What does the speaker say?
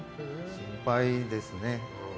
心配ですね。